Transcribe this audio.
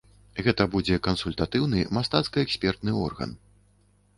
Гэта будзе кансультатыўны мастацка-экспертны орган.